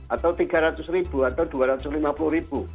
atau rp tiga ratus atau rp dua ratus lima puluh